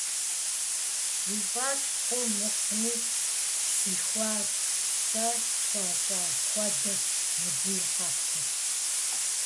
- Уи фӏэщ хъу-мыхъуми, сихуащ. Сэ схуащӏа хуэдэщ мыбы и къэпыр.